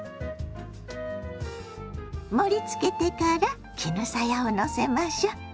盛りつけてから絹さやをのせましょ。